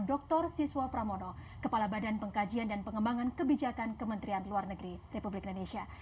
dr siswa pramono kepala badan pengkajian dan pengembangan kebijakan kementerian luar negeri republik indonesia